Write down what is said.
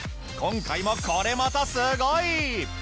今回もこれまたすごい！